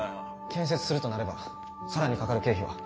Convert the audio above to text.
建設するとなれば更にかかる経費は？